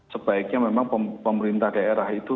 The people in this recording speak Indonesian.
sebaiknya memang pemerintah daerah itu